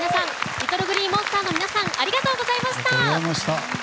ＬｉｔｔｌｅＧｌｅｅＭｏｎｓｔｅｒの皆さんありがとうございました。